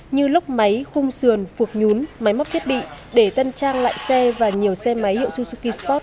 như lốc máy khung sườn phược nhún máy móc thiết bị để tân trang lại xe và nhiều xe máy hiệu susuki sport